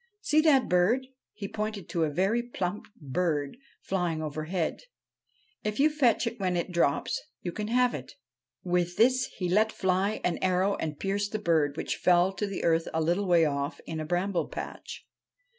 See that bird ?' He pointed to a very plump bird flying overhead. ' If you fetch it when it drops, you can have it.' With this he let fly an arrow and pierced the bird, which fell to earth a little way off in a bramble patch.